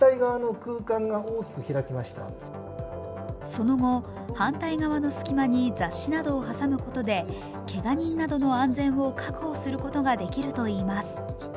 その後、反対側の隙間に雑誌などを挟むことでけが人などの安全を確保することができるといいます。